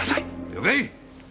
了解！